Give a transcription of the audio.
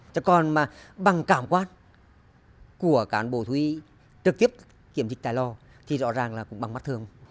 chứ còn mà bằng cảm quan của cán bộ thú y trực tiếp kiểm trích tài lo thì rõ ràng là cũng bằng mắt thương